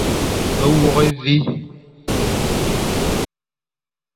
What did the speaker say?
Wôkh évi.